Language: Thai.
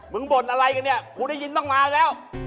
บ่นอะไรกันเนี่ยกูได้ยินต้องมาแล้ว